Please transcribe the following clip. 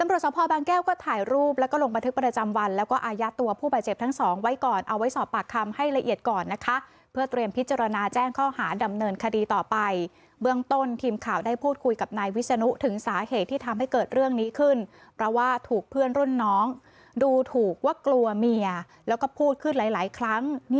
ตำรวจสภบางแก้วก็ถ่ายรูปแล้วก็ลงบันทึกประจำวันแล้วก็อายัดตัวผู้บาดเจ็บทั้งสองไว้ก่อนเอาไว้สอบปากคำให้ละเอียดก่อนนะคะเพื่อเตรียมพิจารณาแจ้งข้อหาดำเนินคดีต่อไปเบื้องต้นทีมข่าวได้พูดคุยกับนายวิศนุถึงสาเหตุที่ทำให้เกิดเรื่องนี้ขึ้นเพราะว่าถูกเพื่อนรุ่นน้องดูถูกว่ากลัวเมียแล้วก็พูดขึ้นหลายหลายครั้ง